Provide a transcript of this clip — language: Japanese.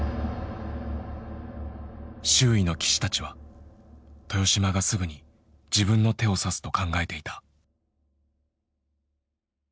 周囲の棋士たちは豊島がすぐに自分の手を指すと考えていた。